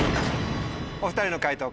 お２人の解答